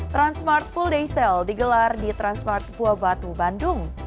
transmart full day sale digelar di transmart buah batu bandung